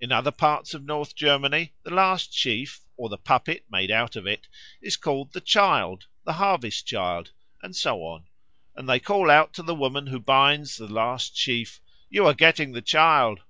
In other parts of North Germany the last sheaf, or the puppet made out of it, is called the Child, the Harvest Child, and so on, and they call out to the woman who binds the last sheaf, "you are getting the child."